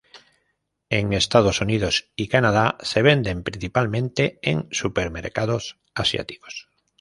En Estados Unidos y Canadá, se venden principalmente en supermercados asiáticos.